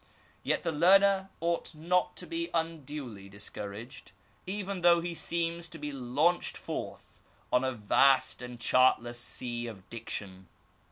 Yet the learner ought not to be unduly discouraged, even though he seems to be launched forth on a vast and chartless sea of diction.